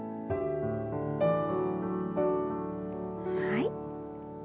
はい。